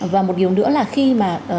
và một điều nữa là khi mà